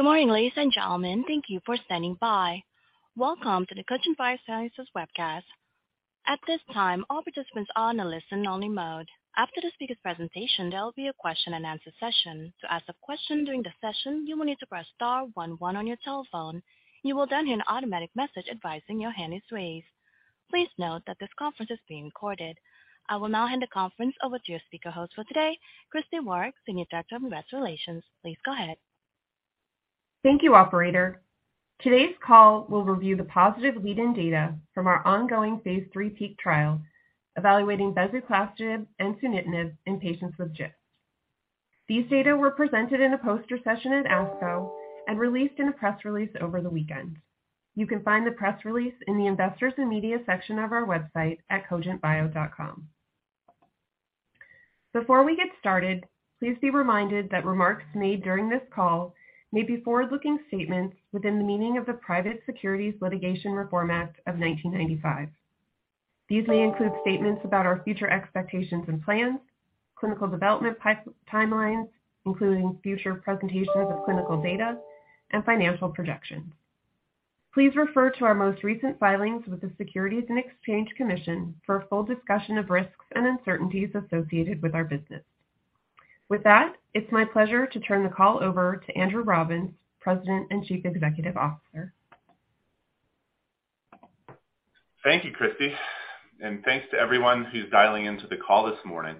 Good morning, ladies and gentlemen. Thank you for standing by. Welcome to the Cogent Biosciences webcast. At this time, all participants are on a listen-only mode. After the speaker's presentation, there will be a question-and-answer session. To ask a question during the session, you will need to press star one one on your telephone. You will then hear an automatic message advising your hand is raised. Please note that this conference is being recorded. I will now hand the conference over to your speaker host for today, Christi Waarich, Senior Director of Investor Relations. Please go ahead. Thank you, operator. Today's call will review the positive lead-in data from our ongoing phase III PEAK trial, evaluating bezuclastinib and sunitinib in patients with GIST. These data were presented in a poster session at ASCO and released in a press release over the weekend. You can find the press release in the Investors and Media section of our website at cogentbio.com. Before we get started, please be reminded that remarks made during this call may be forward-looking statements within the meaning of the Private Securities Litigation Reform Act of 1995. These may include statements about our future expectations and plans, clinical development timelines, including future presentations of clinical data and financial projections. Please refer to our most recent filings with the Securities and Exchange Commission for a full discussion of risks and uncertainties associated with our business. With that, it's my pleasure to turn the call over to Andrew Robbins, President and Chief Executive Officer. Thank you, Christy, and thanks to everyone who's dialing into the call this morning.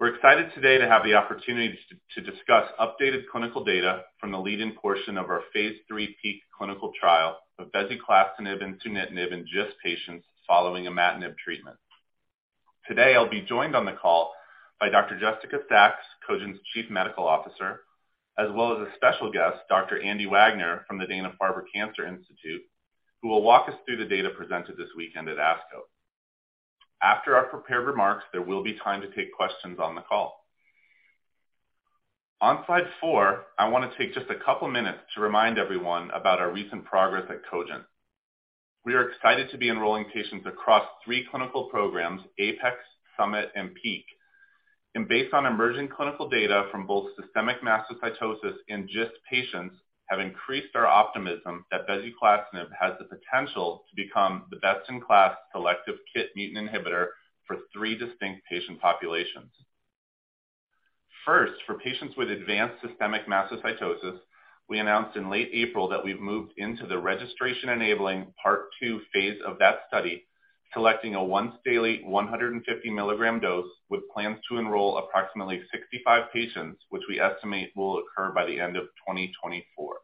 We're excited today to have the opportunity to discuss updated clinical data from the lead-in portion of our phase III PEAK clinical trial of bezuclastinib and sunitinib in GIST patients following imatinib treatment. Today, I'll be joined on the call by Dr. Jessica Sachs, Cogent's Chief Medical Officer, as well as a special guest, Dr. Andy Wagner from the Dana-Farber Cancer Institute, who will walk us through the data presented this weekend at ASCO. After our prepared remarks, there will be time to take questions on the call. On slide 4, I want to take just a couple minutes to remind everyone about our recent progress at Cogent. We are excited to be enrolling patients across three clinical programs, APEX, SUMMIT, and PEAK, and based on emerging clinical data from both systemic mastocytosis and GIST patients, have increased our optimism that bezuclastinib has the potential to become the best-in-class selective KIT mutant inhibitor for three distinct patient populations. First, for patients with advanced systemic mastocytosis, we announced in late April that we've moved into the registration-enabling Part 2 phase of that study, collecting a once-daily 150 milligram dose with plans to enroll approximately 65 patients, which we estimate will occur by the end of 2024.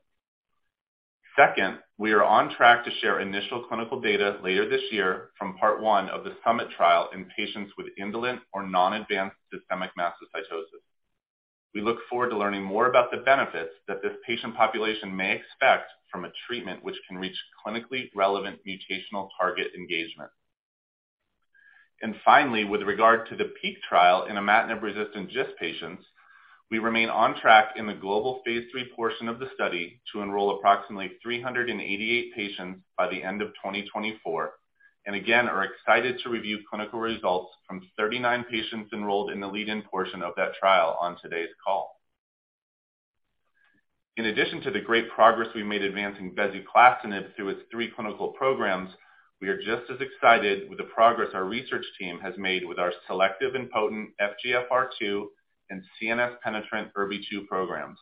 Second, we are on track to share initial clinical data later this year from Part 1 of the SUMMIT trial in patients with indolent or non-advanced systemic mastocytosis. We look forward to learning more about the benefits that this patient population may expect from a treatment which can reach clinically relevant mutational target engagement. Finally, with regard to the PEAK trial in imatinib-resistant GIST patients, we remain on track in the global phase III portion of the study to enroll approximately 388 patients by the end of 2024, and again, are excited to review clinical results from 39 patients enrolled in the lead-in portion of that trial on today's call. In addition to the great progress we made advancing bezuclastinib through its three clinical programs, we are just as excited with the progress our research team has made with our selective and potent FGFR2 and CNS-penetrant ERBB2 programs.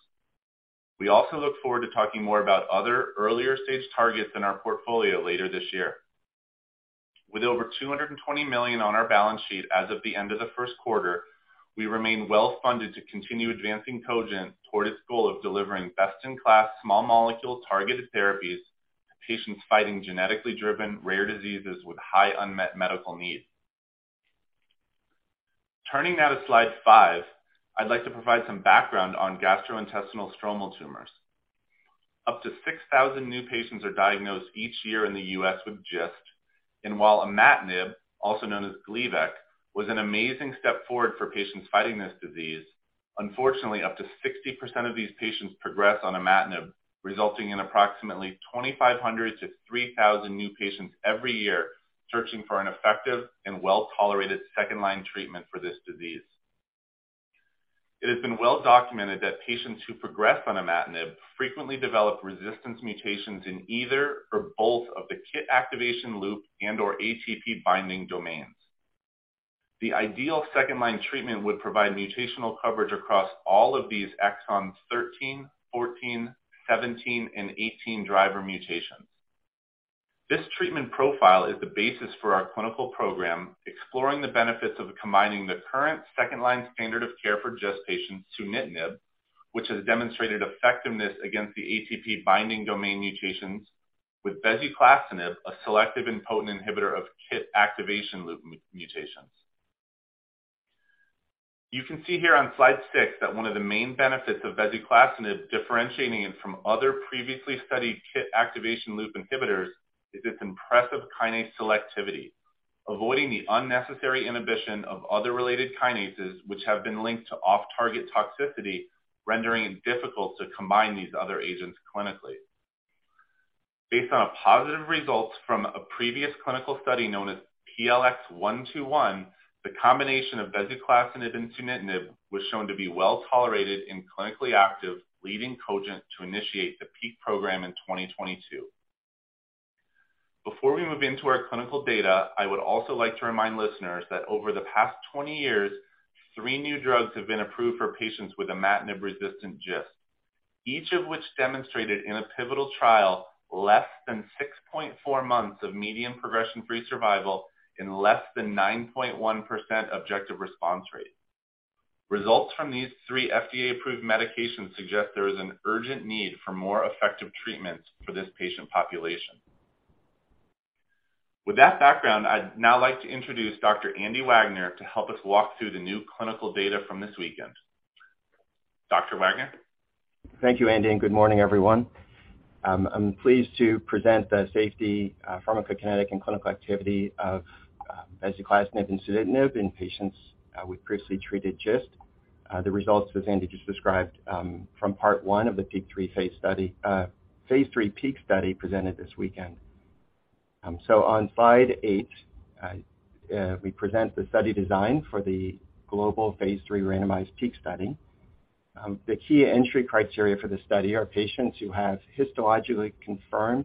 We also look forward to talking more about other earlier-stage targets in our portfolio later this year. With over $220 million on our balance sheet as of the end of the first quarter, we remain well-funded to continue advancing Cogent toward its goal of delivering best-in-class, small-molecule, targeted therapies to patients fighting genetically driven rare diseases with high unmet medical needs. Turning now to slide 5, I'd like to provide some background on gastrointestinal stromal tumors. Up to 6,000 new patients are diagnosed each year in the U.S. with GIST, while imatinib, also known as Gleevec, was an amazing step forward for patients fighting this disease, unfortunately, up to 60% of these patients progress on imatinib, resulting in approximately 2,500-3,000 new patients every year searching for an effective and well-tolerated second-line treatment for this disease. It has been well documented that patients who progress on imatinib frequently develop resistance mutations in either or both of the KIT activation loop and/or ATP binding domains. The ideal second-line treatment would provide mutational coverage across all of these exons, 13, 14, 17, and 18 driver mutations. This treatment profile is the basis for our clinical program, exploring the benefits of combining the current second-line standard of care for GIST patients, sunitinib, which has demonstrated effectiveness against the ATP binding domain mutations, with bezuclastinib, a selective and potent inhibitor of KIT activation loop mutations. You can see here on slide six that one of the main benefits of bezuclastinib, differentiating it from other previously studied KIT activation loop inhibitors, is its impressive kinase selectivity, avoiding the unnecessary inhibition of other related kinases, which have been linked to off-target toxicity, rendering it difficult to combine these other agents clinically. Based on positive results from a previous clinical study known as PLX121, the combination of bezuclastinib and sunitinib was shown to be well-tolerated in clinically active, leading Cogent to initiate the PEAK program in 2022. Before we move into our clinical data, I would also like to remind listeners that over the past 20 years, three new drugs have been approved for patients with imatinib-resistant GIST, each of which demonstrated in a pivotal trial, less than 6.4 months of median progression-free survival and less than 9.1% objective response rate. Results from these 3 FDA-approved medications suggest there is an urgent need for more effective treatments for this patient population. With that background, I'd now like to introduce Dr. Andy Wagner to help us walk through the new clinical data from this weekend. Dr. Wagner? Thank you, Andy, and good morning, everyone. I'm pleased to present the safety, pharmacokinetic, and clinical activity of bezuclastinib and sunitinib in patients with previously treated GIST. The results, as Andy just described, from part one of the PEAK phase III study, phase III PEAK study presented this weekend. On slide 8, we present the study design for the global phase III randomized PEAK study. The key entry criteria for the study are patients who have histologically confirmed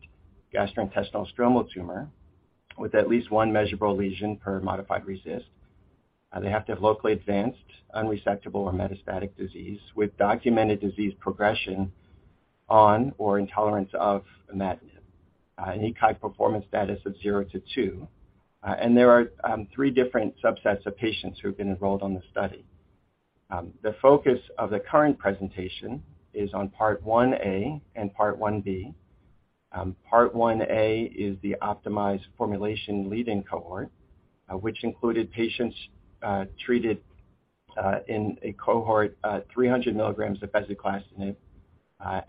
gastrointestinal stromal tumor with at least one measurable lesion per modified RECIST. They have to have locally advanced, unresectable, or metastatic disease, with documented disease progression on or intolerance of imatinib, an ECOG performance status of 0 to 2. There are 3 different subsets of patients who have been enrolled on the study. The focus of the current presentation is on Part 1A and Part 1B. Part 1A is the optimized formulation lead-in cohort, which included patients, treated, in a cohort, 300 milligrams of bezuclastinib,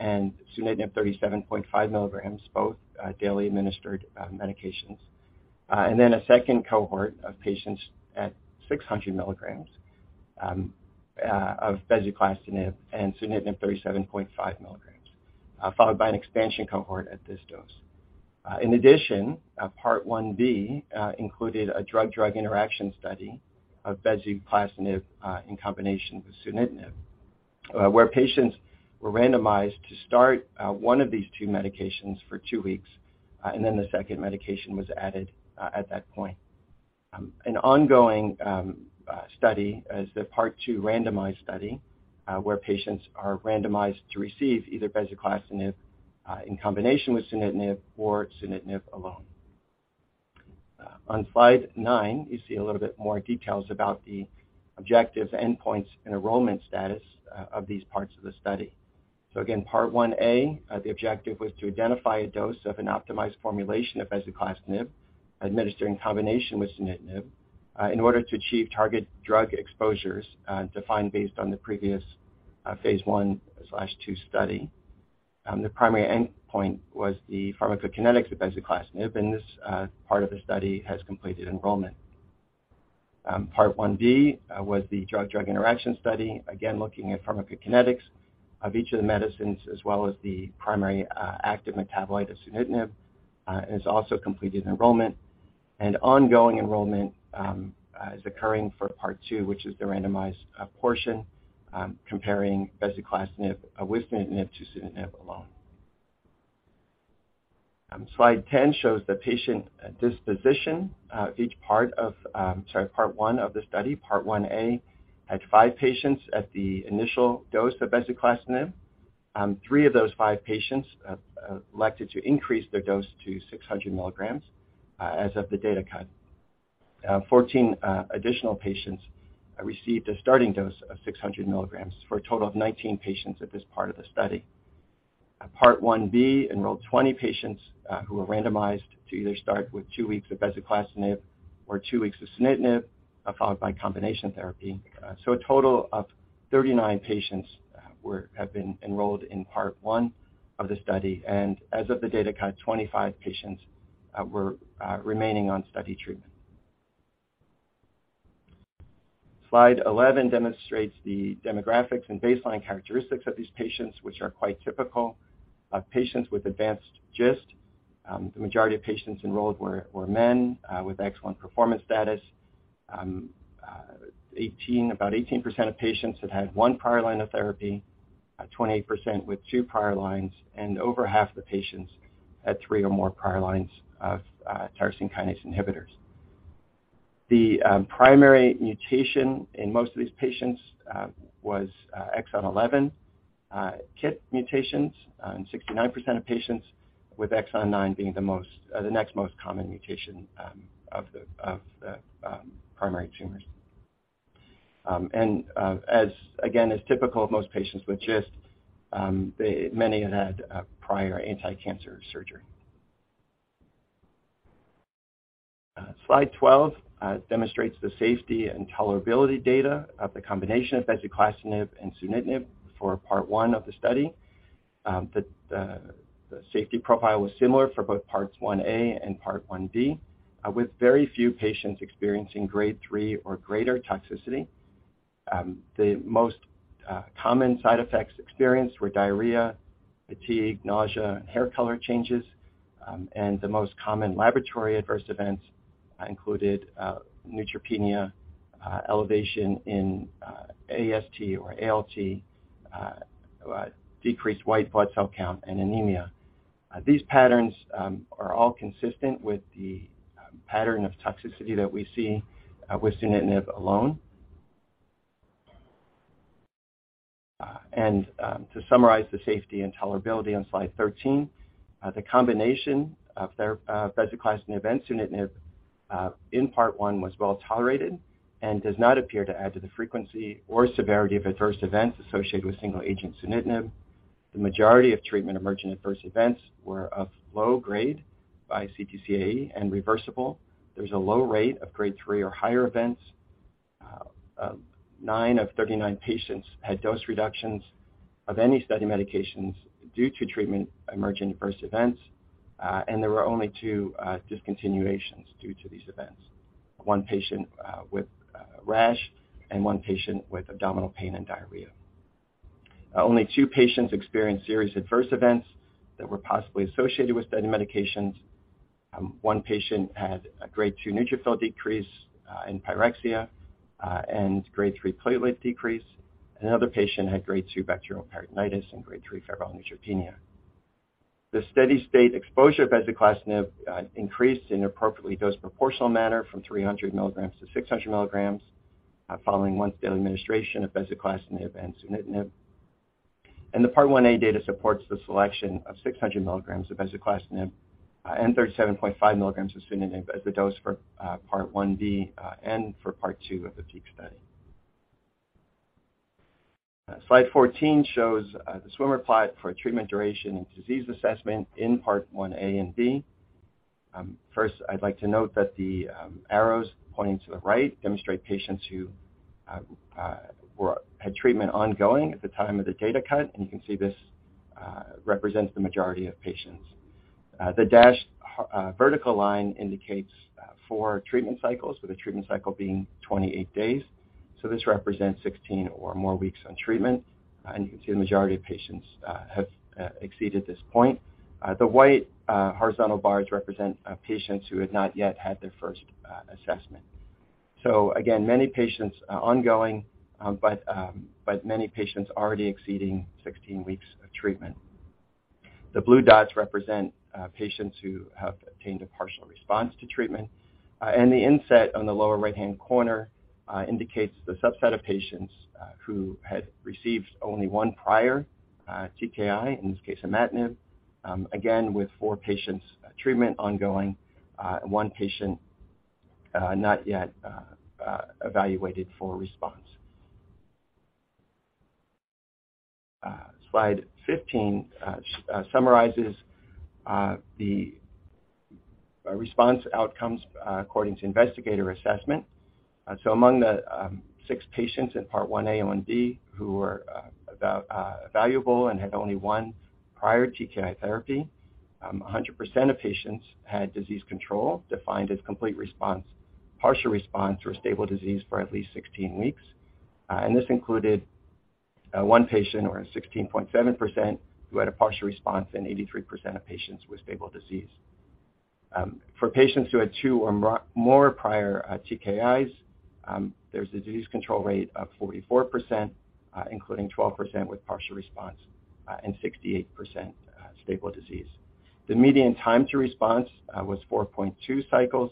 and sunitinib 37.5 milligrams, both, daily administered, medications. A second cohort of patients at 600 milligrams, of bezuclastinib and sunitinib 37.5 milligrams, followed by an expansion cohort at this dose. In addition, Part 1B, included a drug-drug interaction study of bezuclastinib, in combination with sunitinib, where patients were randomized to start, one of these 2 medications for 2 weeks, and then the second medication was added, at that point. An ongoing study is the Part 2 randomized study, where patients are randomized to receive either bezuclastinib in combination with sunitinib or sunitinib alone. On slide 9, you see a little bit more details about the objective endpoints and enrollment status of these parts of the study. Again, Part 1-A, the objective was to identify a dose of an optimized formulation of bezuclastinib, administered in combination with sunitinib, in order to achieve target drug exposures, defined based on the previous phase 1/2 study. The primary endpoint was the pharmacokinetics of bezuclastinib, and this part of the study has completed enrollment. Part 1-B was the drug-drug interaction study, again, looking at pharmacokinetics of each of the medicines, as well as the primary active metabolite of sunitinib, and has also completed enrollment. Ongoing enrollment is occurring for Part 2, which is the randomized portion, comparing bezuclastinib with sunitinib to sunitinib alone. Slide 10 shows the patient disposition of each part of Part 1 of the study. Part 1A had five patients at the initial dose of bezuclastinib. Three of those five patients elected to increase their dose to 600 milligrams as of the data cut. 14 additional patients received a starting dose of 600 milligrams, for a total of 19 patients at this part of the study. Part 1B enrolled 20 patients who were randomized to either start with two weeks of bezuclastinib or two weeks of sunitinib, followed by combination therapy. A total of 39 patients have been enrolled in Part 1 of the study, and as of the data cut, 25 patients were remaining on study treatment. Slide 11 demonstrates the demographics and baseline characteristics of these patients, which are quite typical of patients with advanced GIST. The majority of patients enrolled were men with excellent performance status. About 18% of patients had 1 prior line of therapy, 28% with 2 prior lines, and over half the patients had 3 or more prior lines of tyrosine kinase inhibitors. Primary mutation in most of these patients was exon eleven KIT mutations in 69% of patients, with exon nine being the next most common mutation of the primary tumors. As again, as typical of most patients with GIST, they, many have had prior anticancer surgery. Slide 12 demonstrates the safety and tolerability data of the combination of bezuclastinib and sunitinib for Part 1 of the study. The safety profile was similar for both Parts 1A and Part 1B, with very few patients experiencing Grade 3 or greater toxicity. The most common side effects experienced were diarrhea, fatigue, nausea, and hair color changes. The most common laboratory adverse events included neutropenia, elevation in AST or ALT, decreased white blood cell count, and anemia. These patterns are all consistent with the pattern of toxicity that we see with sunitinib alone. To summarize the safety and tolerability on slide 13, the combination of bezuclastinib and sunitinib in Part One was well-tolerated and does not appear to add to the frequency or severity of adverse events associated with single-agent sunitinib. The majority of treatment-emergent adverse events were of low grade by CTCAE and reversible. There's a low rate of Grade 3 or higher events. 9 of 39 patients had dose reductions of any study medications due to treatment-emergent adverse events, and there were only 2 discontinuations due to these events, 1 patient with rash and 1 patient with abdominal pain and diarrhea. Only 2 patients experienced serious adverse events that were possibly associated with study medications. 1 patient had a Grade 2 neutrophil decrease and pyrexia and Grade 3 platelet decrease. Another patient had Grade 2 bacterial peritonitis and Grade 3 febrile neutropenia. The steady-state exposure of bezuclastinib increased in an appropriately dose-proportional manner from 300 mg to 600 mg following once-daily administration of bezuclastinib and sunitinib. The Part 1a data supports the selection of 600 mg of bezuclastinib and 37.5 mg of sunitinib as the dose for Part 1b and for Part 2 of the PEAK study. Slide 14 shows the swim plot for treatment duration and disease assessment in Part 1a and b. First, I'd like to note that the arrows pointing to the right demonstrate patients who had treatment ongoing at the time of the data cut, and you can see this represents the majority of patients. The dashed vertical line indicates 4 treatment cycles, with a treatment cycle being 28 days, this represents 16 or more weeks on treatment, you can see the majority of patients have exceeded this point. The white horizontal bars represent patients who have not yet had their first assessment. Again, many patients are ongoing, but many patients already exceeding 16 weeks of treatment. The blue dots represent patients who have attained a partial response to treatment, the inset on the lower right-hand corner indicates the subset of patients who had received only one prior TKI, in this case, imatinib, again, with 4 patients treatment ongoing, and one patient not yet evaluated for response. Slide 15 summarizes the response outcomes according to investigator assessment. Among the six patients in Part 1a and 1b who were evaluable and had only one prior TKI therapy, 100% of patients had disease control, defined as complete response, partial response, or stable disease for at least 16 weeks. This included one patient or 16.7%, who had a partial response, and 83% of patients with stable disease. For patients who had two or more prior TKIs, there's a disease control rate of 44%, including 12% with partial response, and 68% stable disease. The median time to response was 4.2 cycles,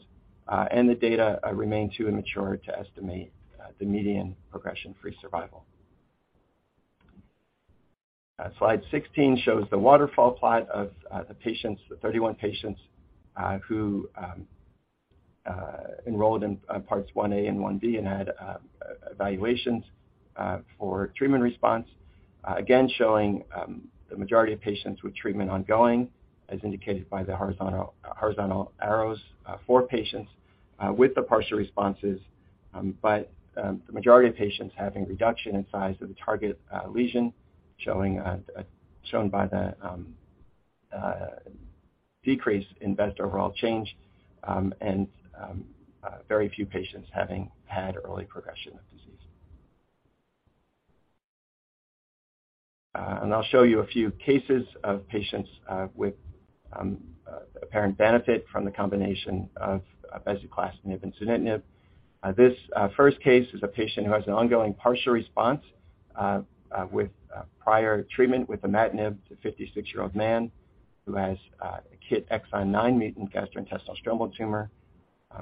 the data remained too immature to estimate the median progression-free survival. Slide 16 shows the waterfall plot of the patients, the 31 patients, who enrolled in Parts 1a and 1b and had evaluations for treatment response. Again, showing the majority of patients with treatment ongoing, as indicated by the horizontal arrows. Four patients with the partial responses, but the majority of patients having reduction in size of the target lesion, shown by the decrease in best overall change, and very few patients having had early progression of disease. I'll show you a few cases of patients with apparent benefit from the combination of bezuclastinib and sunitinib. This first case is a patient who has an ongoing partial response with prior treatment with imatinib, a 56-year-old man who has a KIT exon nine mutant gastrointestinal stromal tumor.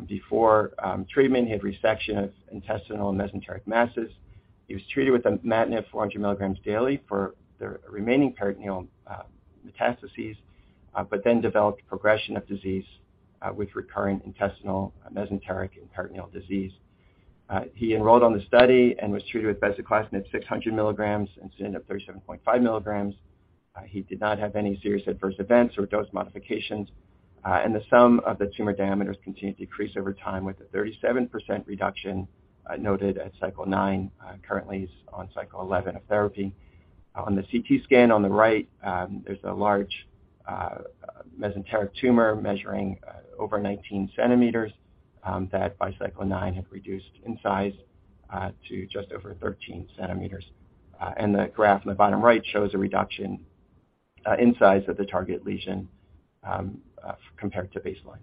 Before treatment, he had resection of intestinal and mesenteric masses. He was treated with imatinib, 400 milligrams daily for the remaining peritoneal metastases, developed progression of disease with recurring intestinal, mesenteric, and peritoneal disease. He enrolled on the study and was treated with bezuclastinib 600 milligrams and sunitinib 37.5 milligrams. He did not have any serious adverse events or dose modifications, and the sum of the tumor diameters continued to decrease over time, with a 37% reduction noted at cycle 9. Currently, he's on cycle 11 of therapy. On the CT scan on the right, there's a mesenteric tumor measuring over 19 centimeters, that by cycle 9 had reduced in size to just over 13 centimeters. The graph on the bottom right shows a reduction in size of the target lesion compared to baseline.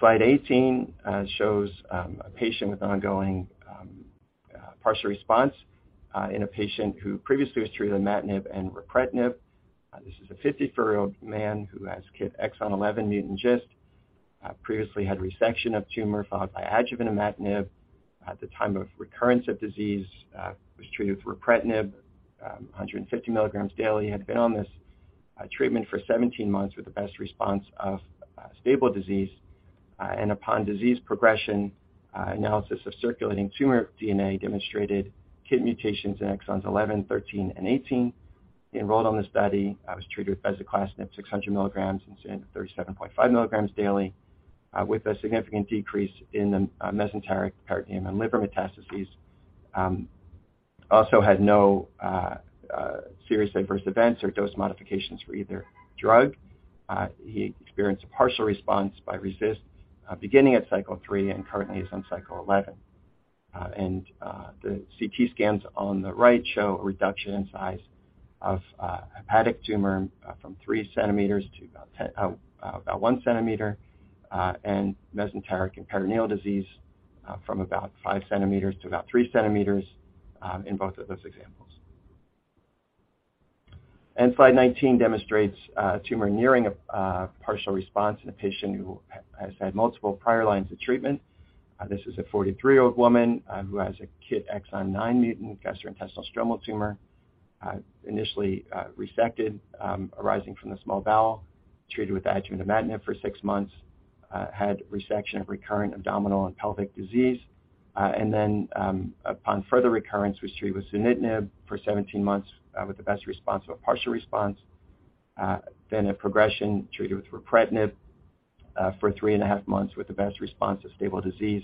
Slide 18 shows a patient with ongoing partial response in a patient who previously was treated with imatinib and ripretinib. This is a 54-year-old man who has KIT exon 11 mutant GIST, previously had resection of tumor, followed by adjuvant imatinib. At the time of recurrence of disease, was treated with ripretinib, 150 milligrams daily. Had been on this treatment for 17 months, with the best response of stable disease. Upon disease progression, analysis of circulating tumor DNA demonstrated KIT mutations in exons 11, 13, and 18. Enrolled on the study, was treated with bezuclastinib 600 milligrams and sunitinib 37.5 milligrams daily, with a significant decrease in the mesenteric, peritoneal, and liver metastases. Also had no serious adverse events or dose modifications for either drug. He experienced a partial response by RECIST, beginning at cycle 3 and currently is on cycle 11. The CT scans on the right show a reduction in size of hepatic tumor, from 3 centimeters to about 1 centimeter, and mesenteric and peritoneal disease, from about 5 centimeters to about 3 centimeters, in both of those examples. Slide 19 demonstrates a tumor nearing a partial response in a patient who has had multiple prior lines of treatment. This is a 43-year-old woman who has a KIT exon 9 mutant gastrointestinal stromal tumor. Initially resected, arising from the small bowel, treated with adjuvant imatinib for 6 months, had resection of recurrent abdominal and pelvic disease. Upon further recurrence, was treated with sunitinib for 17 months with the best response of a partial response. At progression, treated with ripretinib for 3 and a half months, with the best response of stable disease,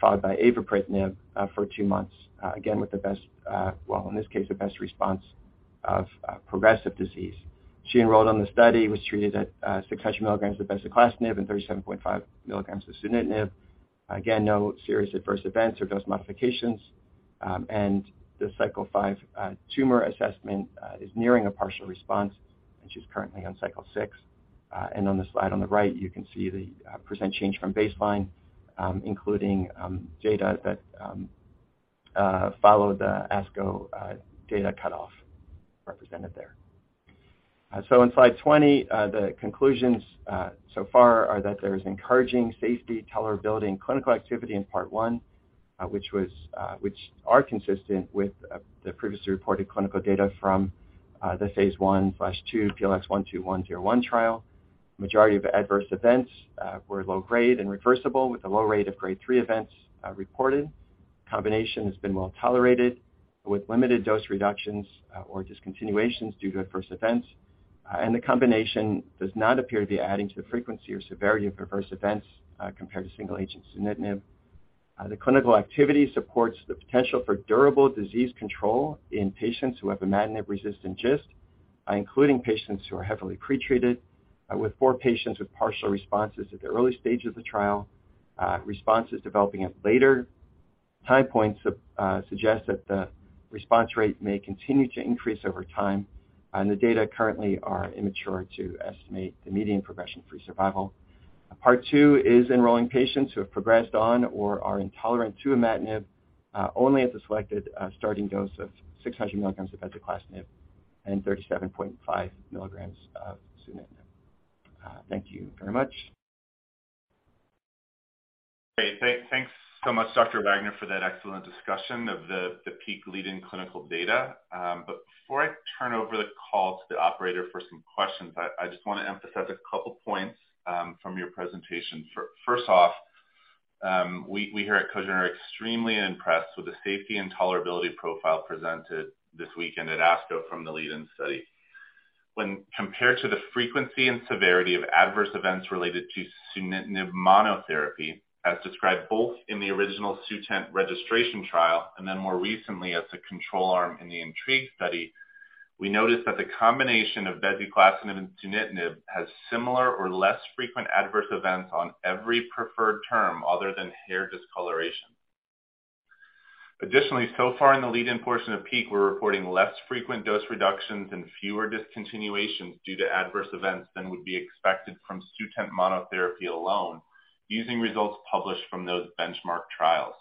followed by avapritinib for 2 months, again, with the best, well, in this case, the best response of progressive disease. She enrolled on the study, was treated at 600 milligrams of bezuclastinib and 37.5 milligrams of sunitinib. No serious adverse events or dose modifications. The cycle 5 tumor assessment is nearing a partial response, and she's currently on cycle 6. On the slide on the right, you can see the percent change from baseline, including data that follow the ASCO data cutoff represented there. On slide 20, the conclusions so far are that there is encouraging safety, tolerability, and clinical activity in Part 1, which are consistent with the previously reported clinical data from the phase 1/2 PLX121-01 trial. Majority of adverse events were low-grade and reversible, with a low rate of Grade 3 events reported. Combination has been well tolerated, with limited dose reductions, or discontinuations due to adverse events. The combination does not appear to be adding to the frequency or severity of adverse events compared to single-agent sunitinib. The clinical activity supports the potential for durable disease control in patients who have imatinib-resistant GIST, including patients who are heavily pretreated, with 4 patients with partial responses at the early stage of the trial. Responses developing at later time points suggest that the response rate may continue to increase over time, and the data currently are immature to estimate the median progression-free survival. Part Two is enrolling patients who have progressed on or are intolerant to imatinib, only at the selected starting dose of 600 milligrams of bezuclastinib and 37.5 milligrams of sunitinib. Thank you very much. Great. Thanks so much, Dr. Wagner, for that excellent discussion of the PEAK lead-in clinical data. Before I turn over the call to the operator for some questions, I just want to emphasize a couple points from your presentation. First off, we here at Cogent are extremely impressed with the safety and tolerability profile presented this weekend at ASCO from the lead-in study. When compared to the frequency and severity of adverse events related to sunitinib monotherapy, as described both in the original Sutent registration trial and then more recently as the control arm in the INTRIGUE study, we noticed that the combination of bezuclastinib and sunitinib has similar or less frequent adverse events on every preferred term other than hair discoloration. Additionally, so far in the lead-in portion of PEAK, we're reporting less frequent dose reductions and fewer discontinuations due to adverse events than would be expected from Sutent monotherapy alone, using results published from those benchmark trials.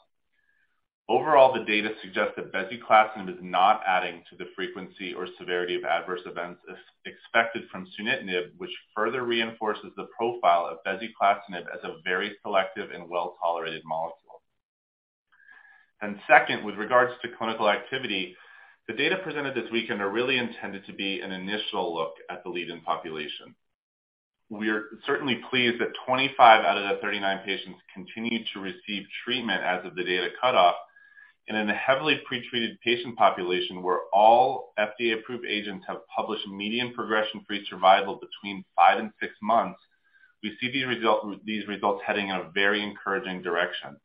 Overall, the data suggest that bezuclastinib is not adding to the frequency or severity of adverse events as expected from sunitinib, which further reinforces the profile of bezuclastinib as a very selective and well-tolerated molecule. Second, with regards to clinical activity, the data presented this weekend are really intended to be an initial look at the lead-in population. We are certainly pleased that 25 out of the 39 patients continued to receive treatment as of the data cutoff. In a heavily pretreated patient population, where all FDA-approved agents have published median progression-free survival between five and six months, we see these results heading in a very encouraging direction.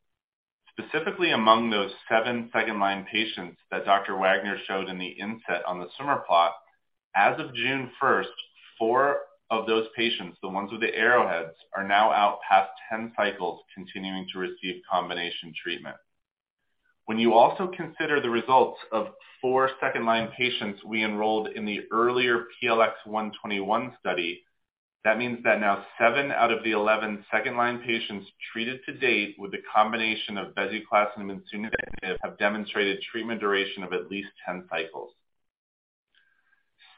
Specifically among those seven second-line patients that Dr. Wagner showed in the inset on the summer plot, as of June 1st, four of those patients, the ones with the arrowheads, are now out past 10 cycles, continuing to receive combination treatment. When you also consider the results of four second-line patients we enrolled in the earlier PLX121 study, that means that now seven out of the 11 second-line patients treated to date with a combination of bezuclastinib and sunitinib have demonstrated treatment duration of at least 10 cycles.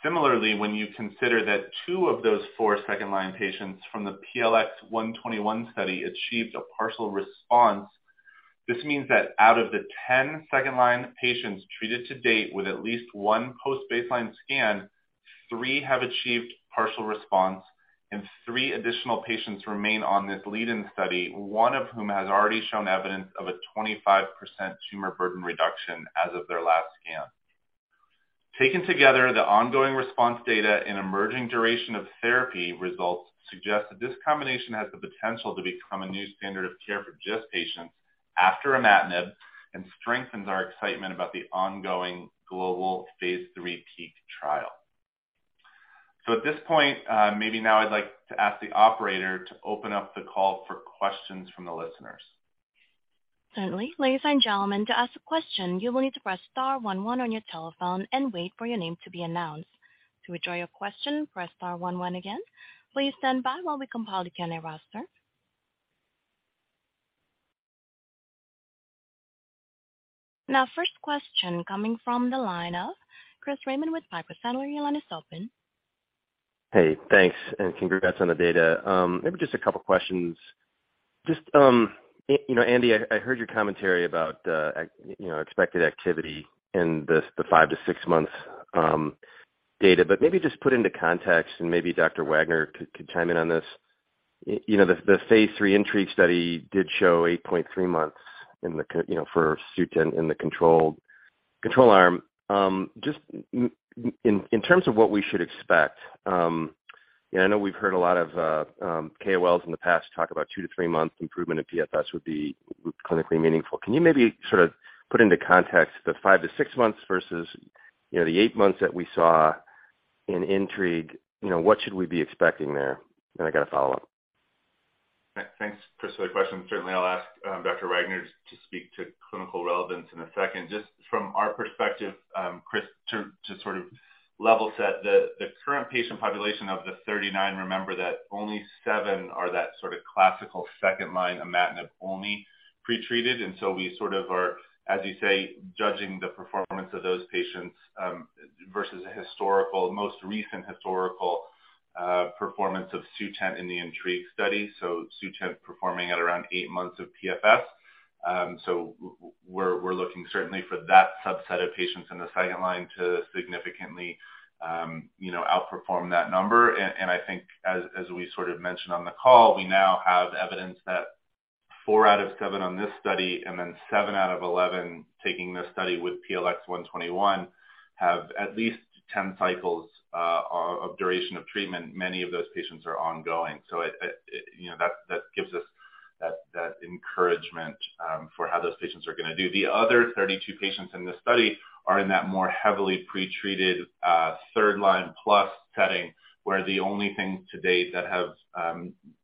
Similarly, when you consider that 2 of those 4 second-line patients from the PLX121 study achieved a partial response, this means that out of the 10 second-line patients treated to date with at least 1 post-baseline scan, 3 have achieved partial response, and 3 additional patients remain on this lead-in study, 1 of whom has already shown evidence of a 25% tumor burden reduction as of their last scan. Taken together, the ongoing response data and emerging duration of therapy results suggest that this combination has the potential to become a new standard of care for GIST patients after imatinib and strengthens our excitement about the ongoing global phase III PEAK trial. At this point, maybe now I'd like to ask the operator to open up the call for questions from the listeners. Certainly. Ladies and gentlemen, to ask a question, you will need to press star one on your telephone and wait for your name to be announced. To withdraw your question, press star one again. Please stand by while we compile the Q&A roster. First question coming from the line of Chris Raymond with Piper Sandler. Your line is open. Hey, thanks, congrats on the data. Maybe just a couple of questions. Just, you know, Andy, I heard your commentary about, you know, expected activity in this, the 5-6 months data, maybe just put into context, and maybe Dr. Wagner could chime in on this. You know, the phase III INTRIGUE study did show 8.3 months in the, you know, for Sutent in the control arm. Just in terms of what we should expect, I know we've heard a lot of KOLs in the past talk about 2-3 months improvement in PFS would be clinically meaningful. Can you maybe sort of put into context the 5-6 months versus, you know, the 8 months that we saw in INTRIGUE? You know, what should we be expecting there? I got a follow-up. Thanks, Chris, for the question. Certainly, I'll ask Dr. Wagner to speak to clinical relevance in a second. Just from our perspective, Chris, to sort of level set, the current patient population of the 39, remember that only 7 are that sort of classical second-line imatinib only pretreated, and so we sort of are, as you say, judging the performance of those patients versus a historical, most recent historical, performance of Sutent in the INTRIGUE study. Sutent performing at around 8 months of PFS. We're looking certainly for that subset of patients in the second line to significantly, you know, outperform that number. I think as we sort of mentioned on the call, we now have evidence that 4 out of 7 on this study and then 7 out of 11 taking this study with PLX121, have at least 10 cycles of duration of treatment. Many of those patients are ongoing, so I, you know, that gives us that encouragement for how those patients are going to do. The other 32 patients in this study are in that more heavily pretreated, third-line plus setting, where the only things to date that have,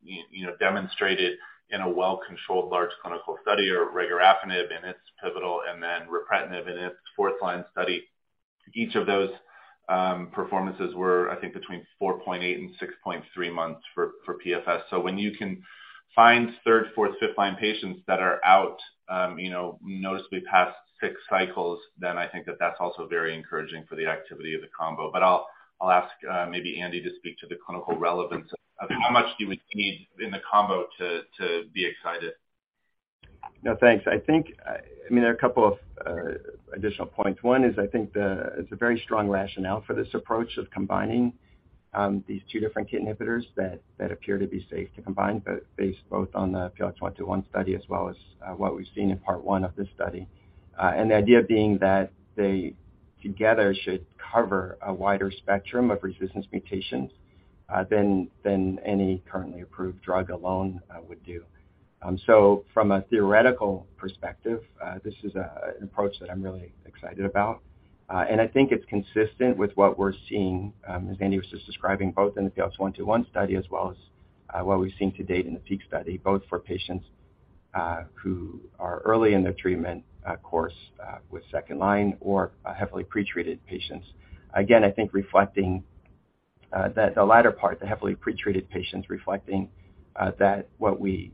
you know, demonstrated in a well-controlled large clinical study are regorafenib in its pivotal and then ripretinib in its fourth-line study. Each of those performances were, I think, between 4.8 and 6.3 months for PFS. When you can find third, fourth, fifth-line patients that are out, you know, noticeably past 6 cycles, then I think that that's also very encouraging for the activity of the combo. I'll ask maybe Andy to speak to the clinical relevance of how much you would need in the combo to be excited. No, thanks. I think, I mean, there are a couple of additional points. One is, I think it's a very strong rationale for this approach of combining these two different kin inhibitors that appear to be safe to combine, but based both on the PLX121 study as well as what we've seen in part one of this study. The idea being that they together should cover a wider spectrum of resistance mutations than any currently approved drug alone would do. From a theoretical perspective, this is an approach that I'm really excited about. I think it's consistent with what we're seeing, as Andy was just describing, both in the PLX121 study as well as what we've seen to date in the PEAK study, both for patients who are early in their treatment course, with second line or heavily pretreated patients. Again, I think reflecting that the latter part, the heavily pretreated patients, reflecting that what we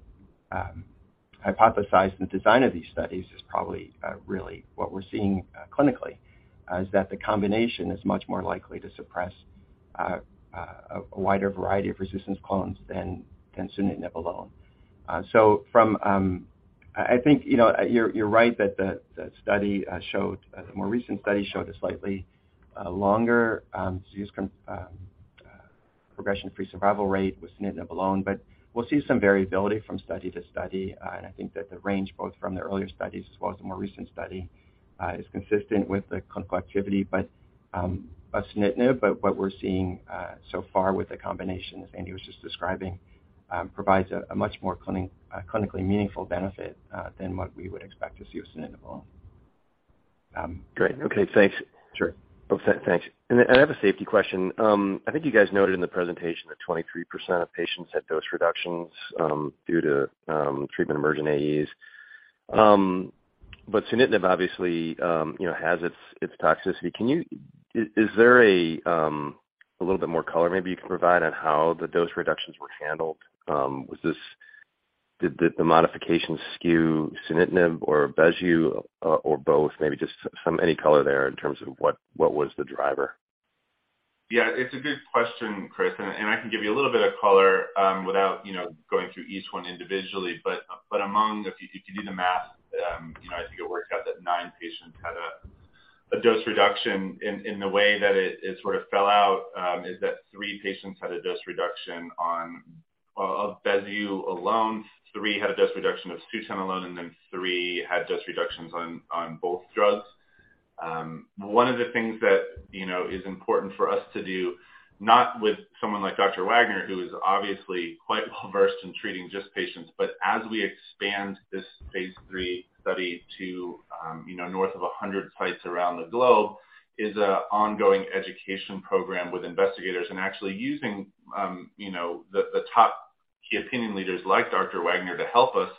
hypothesized in the design of these studies is probably really what we're seeing clinically, is that the combination is much more likely to suppress a wider variety of resistance clones than sunitinib alone. From I think, you know, you're right that the study showed, the more recent study showed a slightly longer disease progression-free survival rate with sunitinib alone, but we'll see some variability from study to study. I think that the range, both from the earlier studies as well as the more recent study, is consistent with the clinical activity, but of sunitinib. What we're seeing so far with the combination, as Andy was just describing, provides a much more clinically meaningful benefit than what we would expect to see with sunitinib alone. Great. Okay, thanks. Sure. Okay, thanks. I have a safety question. I think you guys noted in the presentation that 23% of patients had dose reductions due to treatment-emergent AEs. Sunitinib obviously, you know, has its toxicity. Is there a little bit more color maybe you can provide on how the dose reductions were handled? Was this, did the modifications skew sunitinib or bezuclastinib or both? Maybe just some, any color there in terms of what was the driver? Yeah, it's a good question, Chris, and I can give you a little bit of color, without, you know, going through each one individually. Among, if you do the math, you know, I think it worked out that nine patients had a dose reduction. The way that it sort of fell out is that three patients had a dose reduction of bezuclastinib alone, three had a dose reduction of Sutent alone, and then three had dose reductions on both drugs. One of the things that, you know, is important for us to do, not with someone like Dr. Wagner, who is obviously quite well-versed in treating GIST patients, but as we expand this phase III study to, you know, north of 100 sites around the globe, is a ongoing education program with investigators and actually using, you know, the top key opinion leaders like Dr. Wagner to help us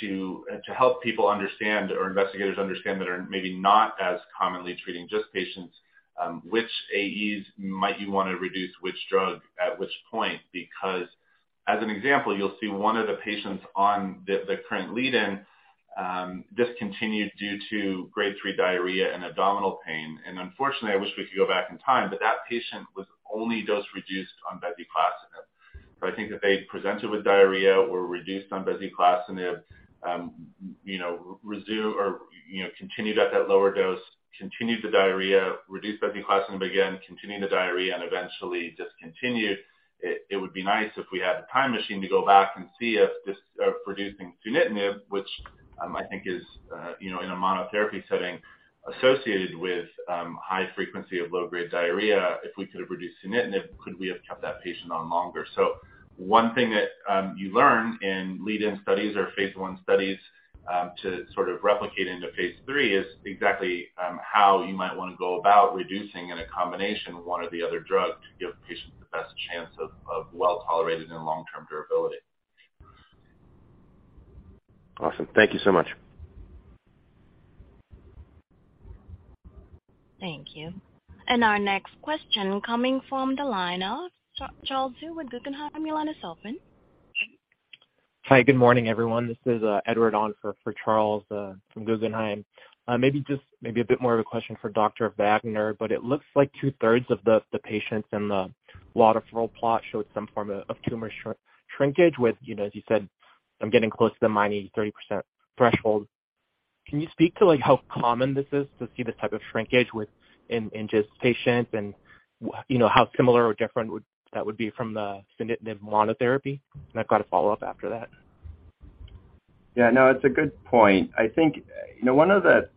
to help people understand or investigators understand that are maybe not as commonly treating GIST patients, which AEs might you want to reduce which drug at which point. As an example, you'll see one of the patients on the current lead-in discontinued due to Grade 3 diarrhea and abdominal pain. Unfortunately, I wish we could go back in time, but that patient was only dose-reduced on bezuclastinib. I think that they presented with diarrhea, were reduced on bezuclastinib, you know, continued at that lower dose, continued the diarrhea, reduced bezuclastinib again, continuing the diarrhea, and eventually discontinued. It would be nice if we had a time machine to go back and see if just reducing sunitinib, which, I think is, you know, in a monotherapy setting, associated with high frequency of low-grade diarrhea. If we could have reduced sunitinib, could we have kept that patient on longer? One thing that you learn in lead-in studies or phase I studies, to sort of replicate into phase III, is exactly how you might want to go about reducing in a combination, one or the other drug, to give patients the best chance of well-tolerated and long-term durability. Awesome. Thank you so much. Our next question coming from the line of Charles Zhu with Guggenheim, Milana Losic Seljev. Hi, good morning, everyone. This is Edward on for Charles from Guggenheim. Maybe a bit more of a question for Dr. Wagner, but it looks like two-thirds of the patients in the waterfall plot showed some form of tumor shrinkage with, you know, as you said, I'm getting close to the -30% threshold. Can you speak to, like, how common this is to see this type of shrinkage with in GIST patients? You know, how similar or different would that be from the sunitinib monotherapy? I've got a follow-up after that. Yeah, no, it's a good point. I think, you know, one of the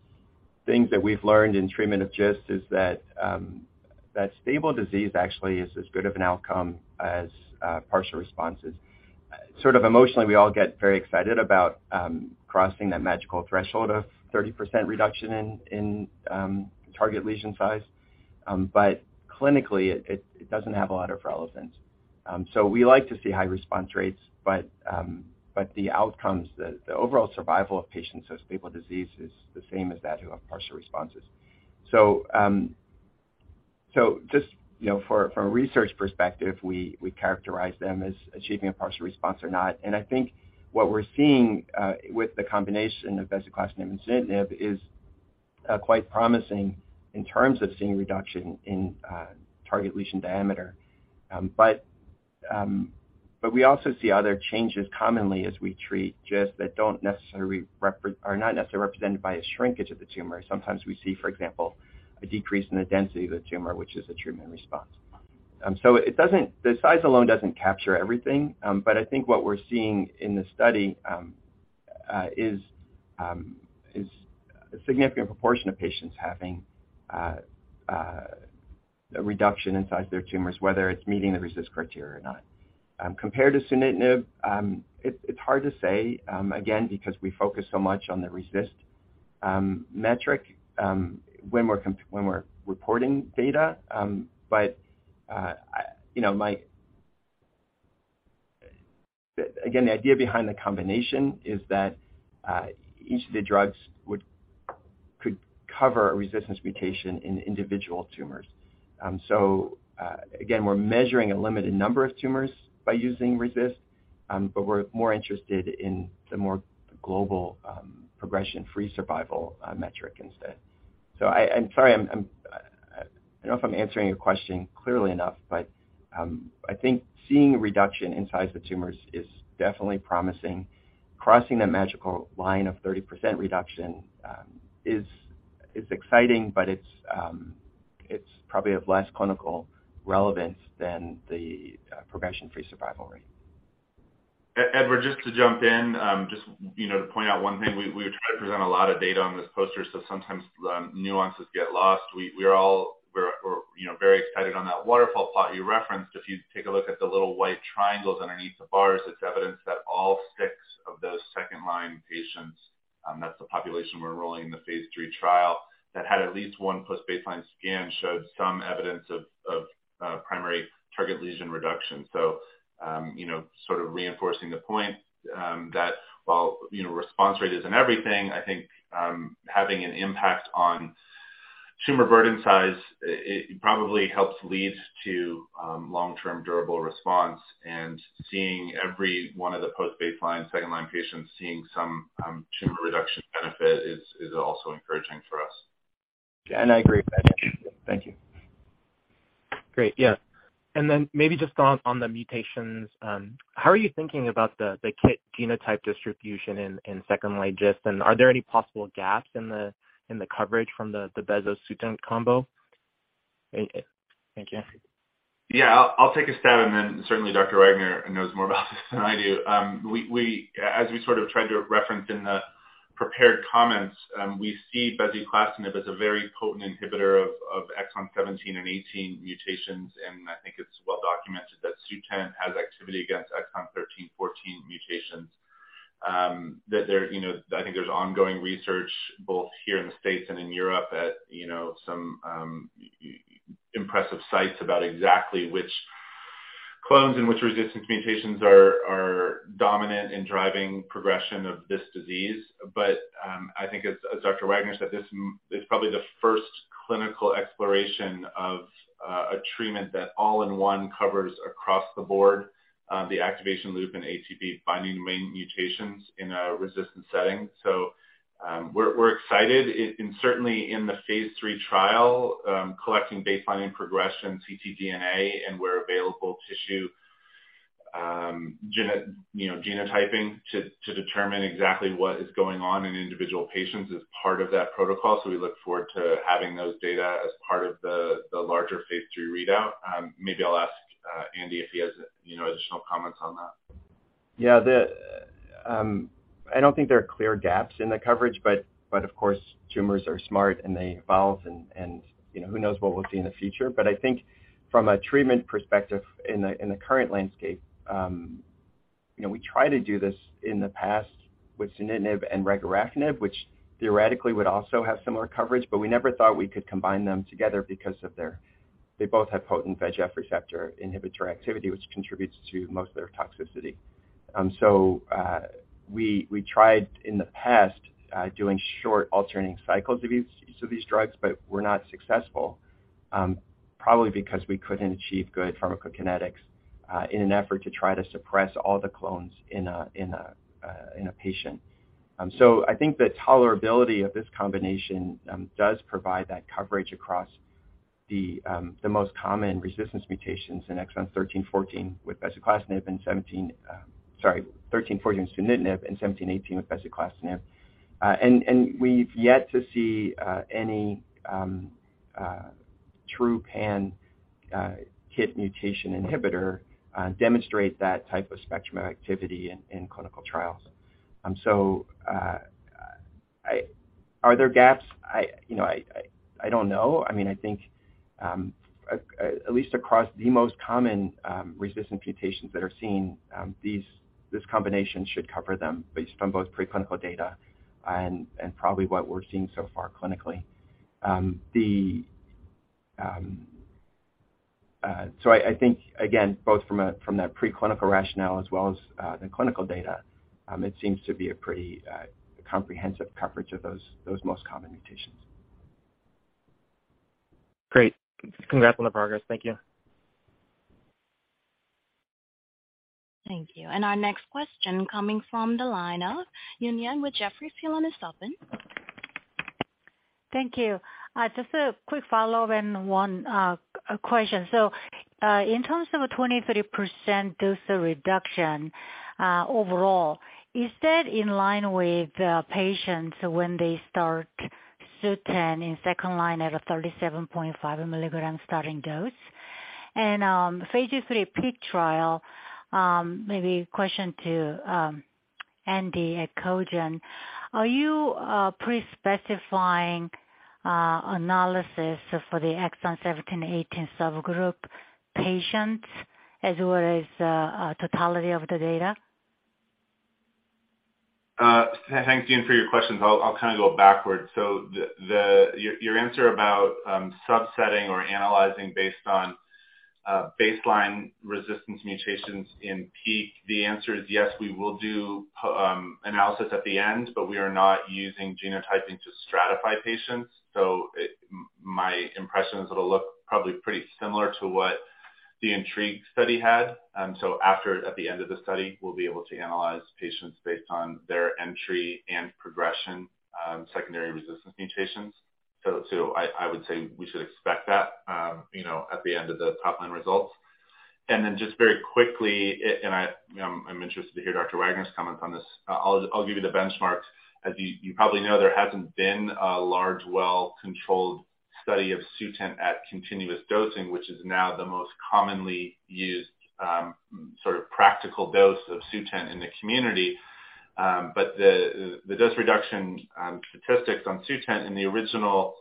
things that we've learned in treatment of GIST is that stable disease actually is as good of an outcome as partial responses. Sort of emotionally, we all get very excited about crossing that magical threshold of 30% reduction in target lesion size. Clinically, it doesn't have a lot of relevance. We like to see high response rates, but the outcomes, the overall survival of patients with stable disease is the same as that who have partial responses. Just, you know, from a research perspective, we characterize them as achieving a partial response or not. I think what we're seeing with the combination of bezuclastinib and sunitinib is quite promising in terms of seeing reduction in target lesion diameter. But we also see other changes commonly as we treat GIST that are not necessarily represented by a shrinkage of the tumor. Sometimes we see, for example, a decrease in the density of the tumor, which is a treatment response. The size alone doesn't capture everything, but I think what we're seeing in the study is a significant proportion of patients having a reduction in size of their tumors, whether it's meeting the RECIST criteria or not. Compared to sunitinib, it's hard to say, again, because we focus so much on the RECIST metric, when we're reporting data. You know, my... Again, the idea behind the combination is that each of the drugs would, could cover a resistance mutation in individual tumors. Again, we're measuring a limited number of tumors by using RECIST, but we're more interested in the more global, progression-free survival metric instead. I'm sorry, I don't know if I'm answering your question clearly enough, but I think seeing a reduction in size of the tumors is definitely promising. Crossing that magical line of 30% reduction is exciting, but it's probably of less clinical relevance than the progression-free survival rate. Edward, just to jump in, just, you know, to point out one thing, we tried to present a lot of data on this poster, sometimes the nuances get lost. We are all, you know, very excited on that waterfall plot you referenced. If you take a look at the little white triangles underneath the bars, it's evidence that all six of those second-line patients, that's the population we're enrolling in the phase III trial, that had at least one post-baseline scan, showed some evidence of primary target lesion reduction. You know, sort of reinforcing the point that while, you know, response rate isn't everything, I think, having an impact on tumor burden size, it probably helps leads to long-term durable response. Seeing every one of the post-baseline second-line patients seeing some tumor reduction benefit is also encouraging for us. I agree with that. Thank you. Great. Yeah. Then maybe just on the mutations, how are you thinking about the KIT genotype distribution in second-line GIST? And are there any possible gaps in the coverage from the Beza-Sutent combo? Thank you. Yeah, I'll take a stab, and then certainly Dr. Wagner knows more about this than I do. As we sort of tried to reference in the prepared comments, we see bezuclastinib as a very potent inhibitor of exon 17 and 18 mutations, and I think it's well documented that Sutent has activity against exon 13, 14 mutations. That there, you know, I think there's ongoing research, both here in the States and in Europe, at, you know, some impressive sites about exactly which clones and which resistance mutations are dominant in driving progression of this disease. I think as Dr. Wagner said, this is probably the first clinical exploration of a treatment that all in one covers across the board, the activation loop and ATP binding main mutations in a resistant setting. We're excited. Certainly in the phase III trial, collecting baseline and progression, ctDNA, and where available tissue, you know, genotyping to determine exactly what is going on in individual patients is part of that protocol. We look forward to having those data as part of the larger phase III readout. Maybe I'll ask Andrew Robbins if he has, you know, additional comments on that. Yeah, the, I don't think there are clear gaps in the coverage, but of course, tumors are smart, and they evolve and, you know, who knows what we'll see in the future? I think from a treatment perspective in the, in the current landscape, you know, we tried to do this in the past with sunitinib and regorafenib, which theoretically would also have similar coverage, but we never thought we could combine them together because they both have potent VEGF receptor inhibitor activity, which contributes to most of their toxicity. We tried in the past doing short alternating cycles of these drugs, but were not successful, probably because we couldn't achieve good pharmacokinetics in an effort to try to suppress all the clones in a patient. I think the tolerability of this combination does provide that coverage across the most common resistance mutations in exon 13, 14, sunitinib, and 17, 18 with bezuclastinib. We've yet to see any true pan KIT mutation inhibitor demonstrate that type of spectrum of activity in clinical trials. Are there gaps? I, you know, I don't know. I mean, I think at least across the most common resistant mutations that are seen, this combination should cover them based on both preclinical data and probably what we're seeing so far clinically. I think, again, both from that preclinical rationale as well as the clinical data, it seems to be a pretty comprehensive coverage of those most common mutations. Great. Congrats on the progress. Thank you. Thank you. Our next question coming from the line of Yun Zhong with Jefferies. Your line is open. Thank you. Just a quick follow-up and one question. In terms of a 23% dose reduction overall, is that in line with the patients when they start Sutent in second-line at a 37.5 milligram starting dose? phase III PEAK trial, maybe a question to Andy at Cogent. Are you pre-specifying analysis for the exon 17, 18 subgroup patients as well as totality of the data? Thanks again for your questions. I'll kind of go backwards. The your answer about subsetting or analyzing based on baseline resistance mutations in PEAK, the answer is yes, we will do analysis at the end, but we are not using genotyping to stratify patients. My impression is it'll look probably pretty similar to what the INTRIGUE study had. After, at the end of the study, we'll be able to analyze patients based on their entry and progression, secondary resistance mutations. So I would say we should expect that, you know, at the end of the top-line results. Just very quickly, and I'm interested to hear Dr. Wagner's comments on this. I'll give you the benchmark. As you probably know, there hasn't been a large, well-controlled. study of Sutent at continuous dosing, which is now the most commonly used, sort of practical dose of Sutent in the community. The dose reduction statistics on Sutent in the original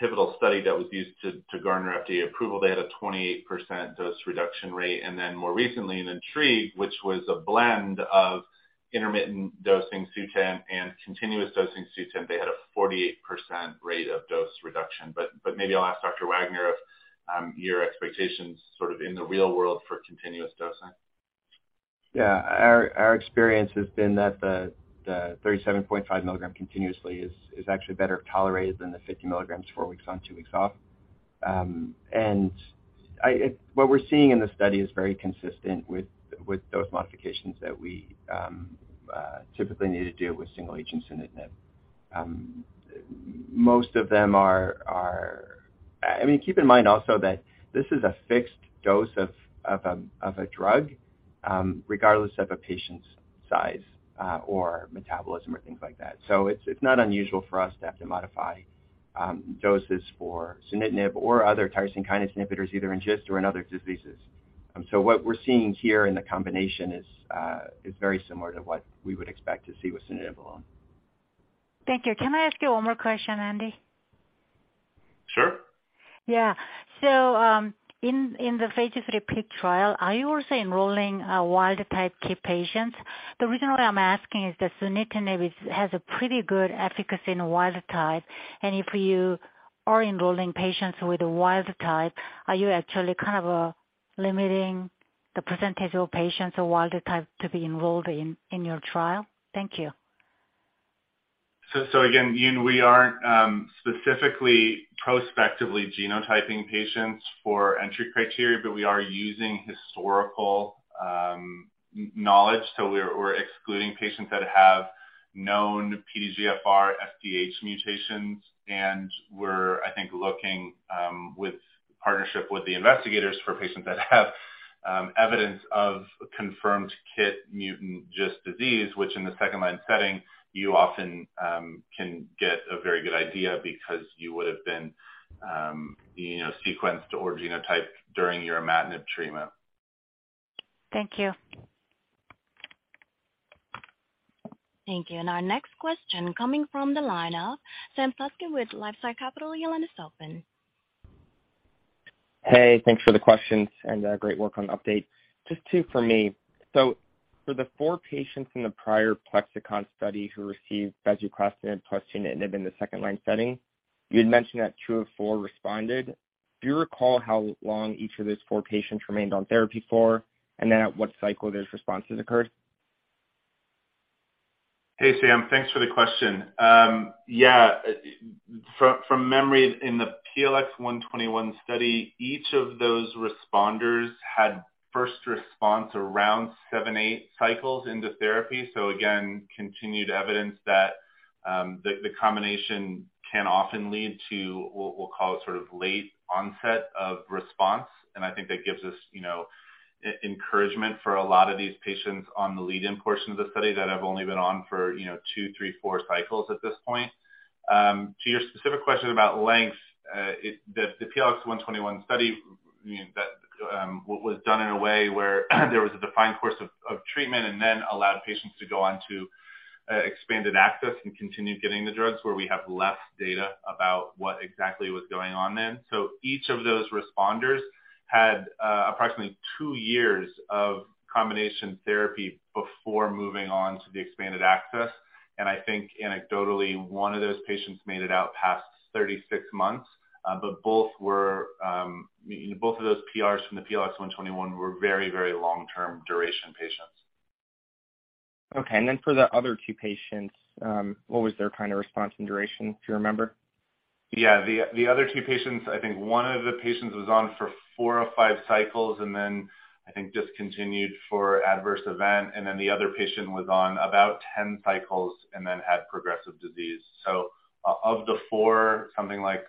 pivotal study that was used to garner FDA approval, they had a 28% dose reduction rate. More recently in INTRIGUE, which was a blend of intermittent dosing Sutent and continuous dosing Sutent, they had a 48% rate of dose reduction. Maybe I'll ask Dr. Wagner of your expectations sort of in the real world for continuous dosing. Yeah. Our experience has been that the 37.5 milligram continuously is actually better tolerated than the 50 milligrams, 4 weeks on, 2 weeks off. What we're seeing in the study is very consistent with those modifications that we typically need to do with single agents in it. Most of them are, I mean, keep in mind also that this is a fixed dose of a drug, regardless of a patient's size or metabolism or things like that. It's not unusual for us to have to modify doses for sunitinib or other tyrosine kinase inhibitors, either in GIST or in other diseases. What we're seeing here in the combination is very similar to what we would expect to see with sunitinib alone. Thank you. Can I ask you one more question, Andy? Sure. Yeah. In the phase III PEAK trial, are you also enrolling wild-type KIT patients? The reason why I'm asking is that sunitinib is, has a pretty good efficacy in a wild-type, and if you are enrolling patients with a wild-type, are you actually kind of limiting the percentage of patients or wild-type to be enrolled in your trial? Thank you. Again, you, we aren't specifically, prospectively genotyping patients for entry criteria, but we are using historical knowledge. We're excluding patients that have known PDGFR D842V mutations, and we're, I think, looking with partnership with the investigators for patients that have evidence of confirmed KIT mutant GIST disease, which in the second-line setting, you often can get a very good idea because you would have been, you know, sequenced or genotyped during your imatinib treatment. Thank you. Thank you. Our next question coming from the line of Sam Suskin with LifeSci Capital, Yelena Sopen. Hey, thanks for the questions and great work on the update. Just two for me. For the four patients in the prior Plexxikon study who received bezuclastinib plus sunitinib in the second-line setting, you had mentioned that two of four responded. Do you recall how long each of those four patients remained on therapy for, and at what cycle those responses occurred? Hey, Sam. Thanks for the question. Yeah, from memory, in the PLX-121 study, each of those responders had first response around 7, 8 cycles into therapy. Again, continued evidence that the combination can often lead to, we'll call it sort of late onset of response. I think that gives us, you know, encouragement for a lot of these patients on the lead-in portion of the study that have only been on for, you know, 2, 3, 4 cycles at this point. To your specific question about length, the PLX121 study that was done in a way where there was a defined course of treatment and allowed patients to go on to expanded access and continued getting the drugs, where we have less data about what exactly was going on. Each of those responders had approximately 2 years of combination therapy before moving on to the expanded access, and I think anecdotally, one of those patients made it out past 36 months. Both of those PRs from the PLX121 were very, very long-term duration patients. Okay. Then for the other 2 patients, what was their kind of response and duration, do you remember? Yeah. The other two patients, I think one of the patients was on for four or five cycles, and then I think discontinued for adverse event, and then the other patient was on about 10 cycles and then had progressive disease. Of the four, something like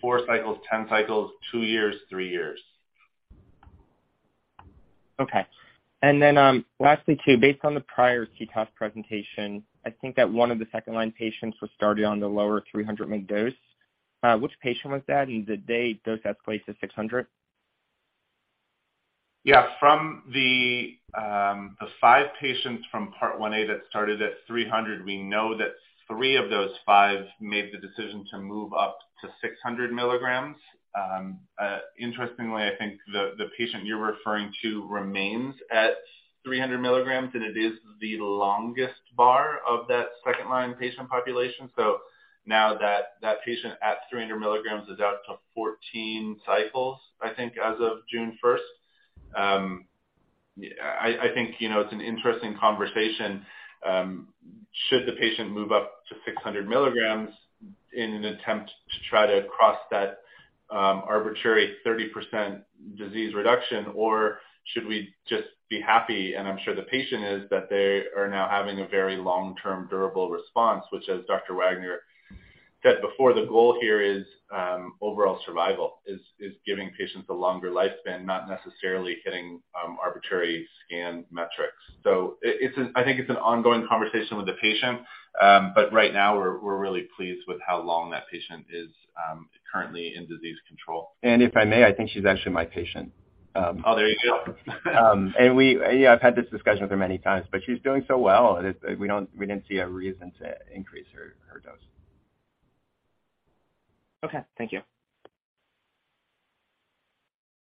four cycles, 10 cycles, two years, three years. Okay. Lastly, too, based on the prior CTOS presentation, I think that one of the second-line patients was started on the lower 300 mg dose. Which patient was that, and did they dose escalate to 600? Yeah. From the 5 patients from part 1A that started at 300, we know that 3 of those 5 made the decision to move up to 600 milligrams. Interestingly, I think the patient you're referring to remains at 300 milligrams, and it is the longest bar of that second-line patient population. Now that that patient at 300 milligrams is out to 14 cycles, I think, as of June 1st. I think, you know, it's an interesting conversation. Should the patient move up to 600 milligrams in an attempt to try to cross that arbitrary 30% disease reduction? Should we just be happy, and I'm sure the patient is, that they are now having a very long-term durable response, which, as Dr. Wagner said before, the goal here is, overall survival, is giving patients a longer lifespan, not necessarily hitting, arbitrary scan metrics. It, I think it's an ongoing conversation with the patient, but right now we're really pleased with how long that patient is, currently in disease control. If I may, I think she's actually my patient. Oh, there you go. We, yeah, I've had this discussion with her many times, but she's doing so well, we didn't see a reason to increase her dose. Okay, thank you.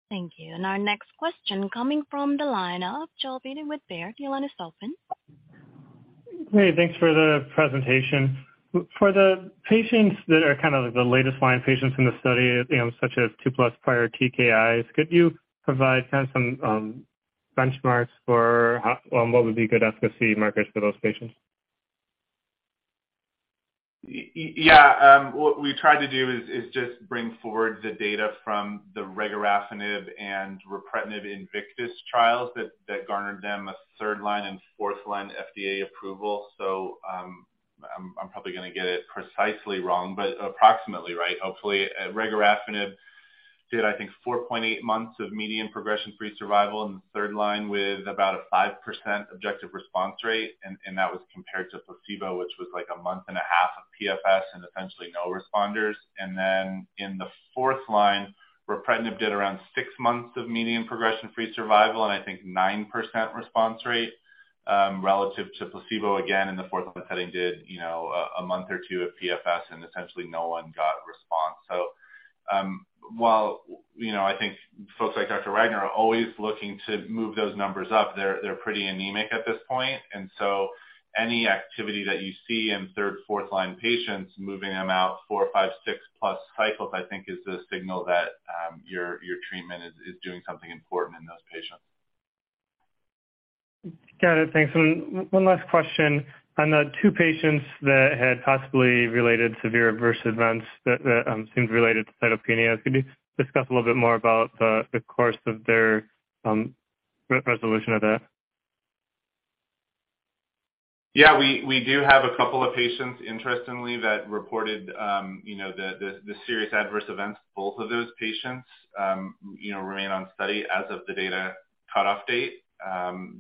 Thank you. Our next question coming from the line of Joel Beatty with Baird. Your line is open. Hey, thanks for the presentation. For the patients that are kind of the latest line patients in the study, you know, such as 2 plus prior TKIs, could you provide kind of some benchmarks for how what would be good efficacy markers for those patients? Yeah. What we tried to do is just bring forward the data from the regorafenib and ripretinib INVICTUS trials that garnered them a third line and fourth line FDA approval. I'm probably gonna get it precisely wrong, but approximately right, hopefully. Regorafenib did, I think, 4.8 months of median progression-free survival in the third line, with about a 5% objective response rate, and that was compared to placebo, which was like a month and a half of PFS and essentially no responders. In the fourth line, ripretinib did around 6 months of median progression-free survival and I think 9% response rate, relative to placebo, again, in the fourth line setting, did, you know, a month or two of PFS and essentially no one got a response. While, you know, I think folks like Dr. Wagner are always looking to move those numbers up, they're pretty anemic at this point, and so any activity that you see in third, fourth-line patients, moving them out 4, 5, 6+ cycles, I think, is a signal that, your treatment is doing something important in those patients. Got it. Thanks. One last question. On the two patients that had possibly related severe adverse events that seemed related to cytopenias, could you discuss a little bit more about the course of their resolution of that? Yeah, we do have a couple of patients, interestingly, that reported, you know, the serious adverse events. Both of those patients, you know, remain on study as of the data cutoff date.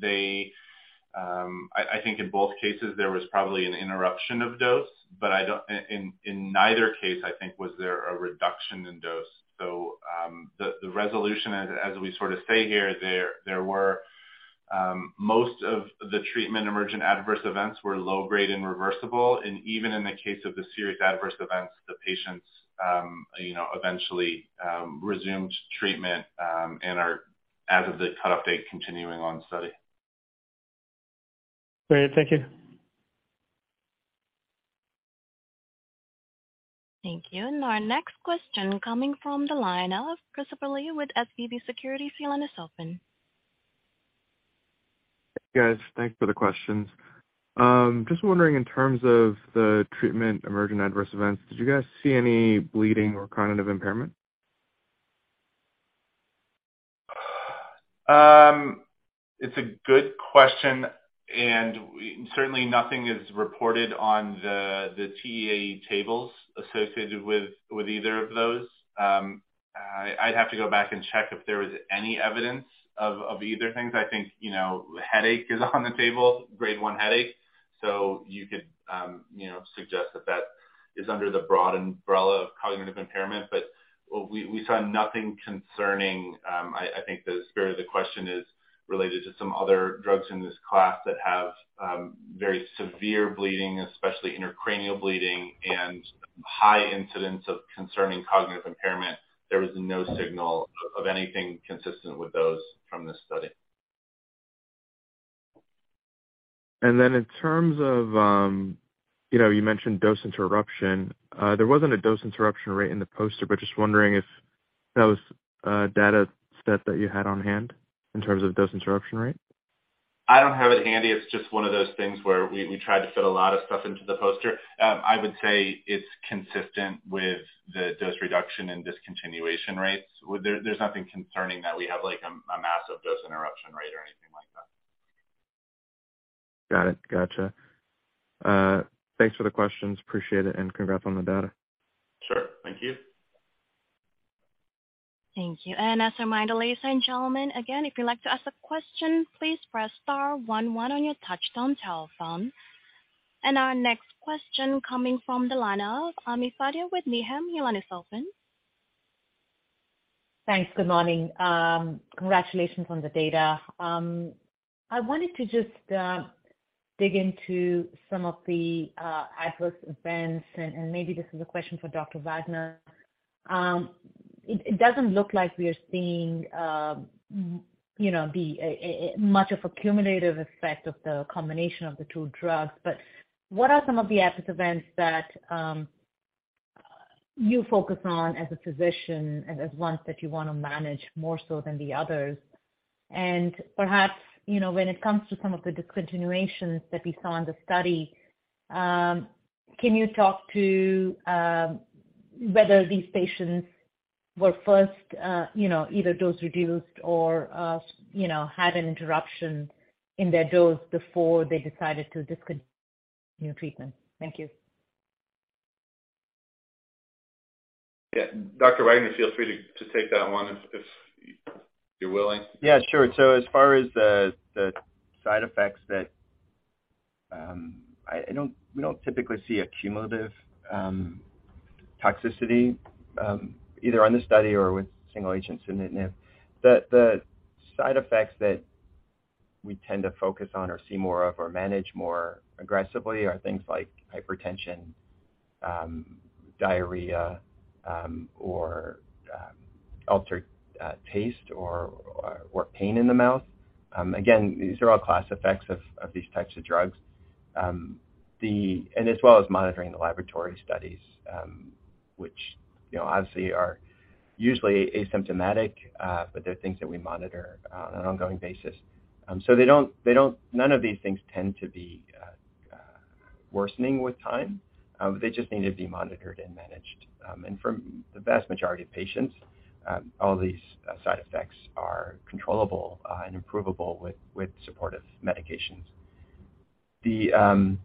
They. I think in both cases there was probably an interruption of dose, but in neither case, I think, was there a reduction in dose. The resolution as we sort of say here, there were, most of the treatment-emergent adverse events were low grade and reversible, and even in the case of the serious adverse events, the patients, you know, eventually, resumed treatment, and are, as of the cutoff date, continuing on study. Great. Thank you. Thank you. Our next question coming from the line of Christopher Lee with SVB Securities. Your line is open. Hey, guys. Thanks for the questions. Just wondering, in terms of the treatment-emergent adverse events, did you guys see any bleeding or cognitive impairment? It's a good question, certainly nothing is reported on the TEA tables associated with either of those. I'd have to go back and check if there was any evidence of either things. I think, you know, headache is on the table, grade 1 headache, you could, you know, suggest that that is under the broad umbrella of cognitive impairment. We saw nothing concerning. I think the spirit of the question is related to some other drugs in this class that have very severe bleeding, especially intracranial bleeding and high incidence of concerning cognitive impairment. There was no signal of anything consistent with those from this study. In terms of, you know, you mentioned dose interruption. There wasn't a dose interruption rate in the poster, but just wondering if that was a data set that you had on hand in terms of dose interruption rate? I don't have it handy. It's just one of those things where we tried to fit a lot of stuff into the poster. I would say it's consistent with the dose reduction and discontinuation rates. There's nothing concerning that. We have, like, a massive dose interruption rate or anything like that. Got it. Gotcha. Thanks for the questions. Appreciate it, and congrats on the data. Sure. Thank you. Thank you. As a reminder, ladies and gentlemen, again, if you'd like to ask a question, please press star one one on your touchtone telephone. Our next question coming from the line of Ami Fadia with Needham. Your line is open. Thanks. Good morning. Congratulations on the data. I wanted to just dig into some of the adverse events, and maybe this is a question for Dr. Wagner. It doesn't look like we are seeing, you know, much of a cumulative effect of the combination of the two drugs. What are some of the adverse events that you focus on as a physician and as ones that you want to manage more so than the others? Perhaps, you know, when it comes to some of the discontinuations that we saw in the study, can you talk to whether these patients were first, you know, either dose reduced or, you know, had an interruption in their dose before they decided to discontinue treatment? Thank you. Yeah. Dr. Wagner, feel free to take that one if you're willing. Yeah, sure. As far as the side effects, we don't typically see a cumulative toxicity either on the study or with single agents in sunitinib. The side effects that we tend to focus on or see more of or manage more aggressively are things like hypertension, diarrhea, or altered taste or pain in the mouth. Again, these are all class effects of these types of drugs. And as well as monitoring the laboratory studies, which, you know, obviously are usually asymptomatic, but they're things that we monitor on an ongoing basis. None of these things tend to be worsening with time. They just need to be monitored and managed. For the vast majority of patients, all these side effects are controllable and improvable with supportive medications. I'm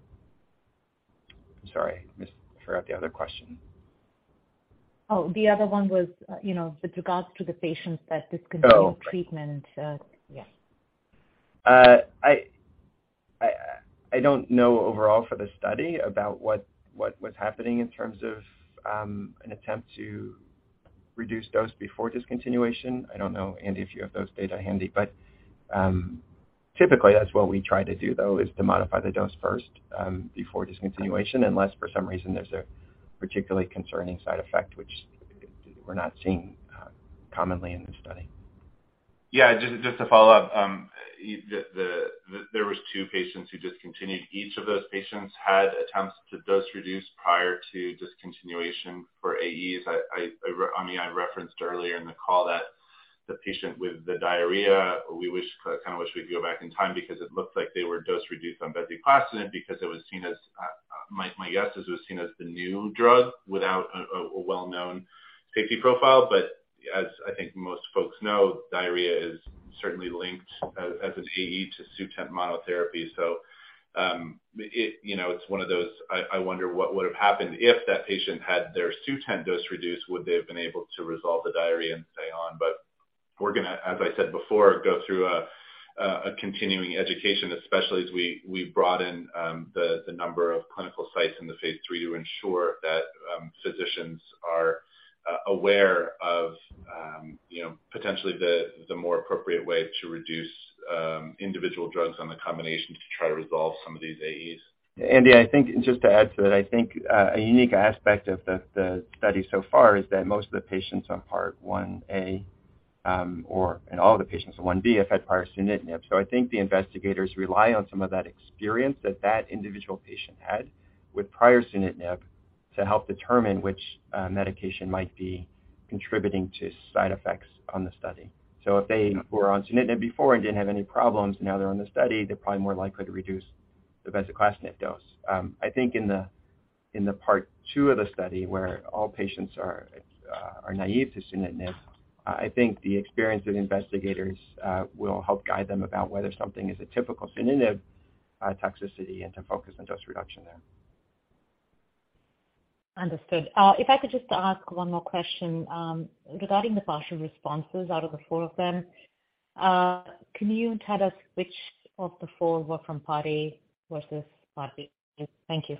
sorry, I forgot the other question. Oh, the other one was, you know, with regards to the patients that discontinued treatment. Oh. Yes. I don't know overall for the study about what was happening in terms of an attempt to reduce dose before discontinuation. I don't know, Andy, if you have those data handy. Typically, that's what we try to do, though, is to modify the dose first, before discontinuation, unless for some reason there's a particularly concerning side effect, which we're not seeing commonly in the study. Yeah, just to follow up, there were two patients who discontinued. Each of those patients had attempts to dose reduce prior to discontinuation for AEs. I mean, I referenced earlier in the call that the patient with the diarrhea, we wish, kind of wish we'd go back in time because it looked like they were dose reduced on bezuclastinib because it was seen as my guess is it was seen as the new drug without a well-known safety profile. As I think most folks know, diarrhea is certainly linked as an AE to Sutent monotherapy. You know, it's one of those, I wonder what would have happened if that patient had their Sutent dose reduced, would they have been able to resolve the diarrhea and stay on? We're going to, as I said before, go through a continuing education, especially as we broaden, the number of clinical sites in the phase III to ensure that physicians are aware of, you know, potentially the more appropriate way to reduce individual drugs on the combination to try to resolve some of these AEs. Andy, I think just to add to that, I think a unique aspect of the study so far is that most of the patients on Part 1A, or and all the patients on 1B, have had prior sunitinib. I think the investigators rely on some of that experience that that individual patient had with prior sunitinib to help determine which medication might be contributing to side effects on the study. If they were on sunitinib before and didn't have any problems, now they're on the study, they're probably more likely to reduce the bezuclastinib dose. I think in the Part Two of the study, where all patients are naive to sunitinib, I think the experience of investigators will help guide them about whether something is a typical sunitinib toxicity and to focus on dose reduction there. Understood. If I could just ask one more question, regarding the partial responses out of the four of them, can you tell us which of the four were from Part A versus Part B? Thank you.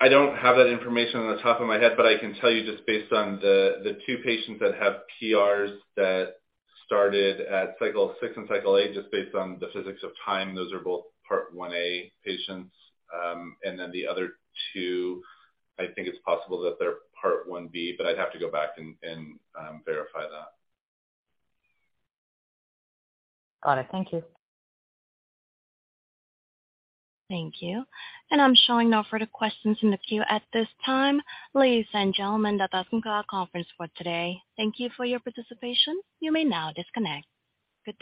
I don't have that information on the top of my head, but I can tell you just based on the 2 patients that have PRs that started at cycle 6 and cycle 8, just based on the physics of time, those are both Part 1A patients. The other 2, I think it's possible that they're Part 1B, but I'd have to go back and verify that. Got it. Thank you. Thank you. I'm showing no further questions in the queue at this time. Ladies and gentlemen, that does conclude our conference for today. Thank you for your participation. You may now disconnect. Good bye.